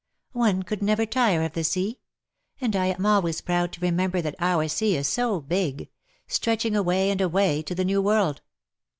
^^One could never tire of the sea. And I am always proud to remember that our sea is so big — stretching away and away to the New World.